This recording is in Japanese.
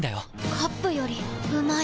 カップよりうまい